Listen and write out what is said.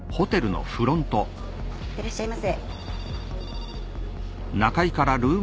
いってらっしゃいませ・・・